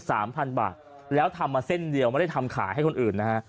สามพันบาทแล้วทำมาเส้นเดียวไม่ได้ทำขายให้คนอื่นนะฮะ